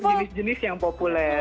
jenis jenis yang populer